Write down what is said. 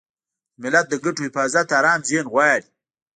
د ملت د ګټو حفاظت ارام ذهن غواړي.